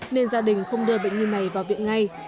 nên gia đình không đưa bệnh nhi này vào viện ngay